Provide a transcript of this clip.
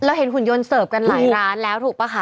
เห็นหุ่นยนต์เสิร์ฟกันหลายร้านแล้วถูกป่ะคะ